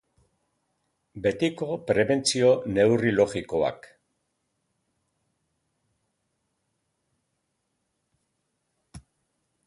Betiko prebentzio neurri logikoak.